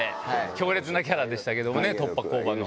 強烈なキャラでしたけどね。